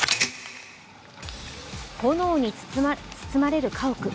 炎に包まれる家屋。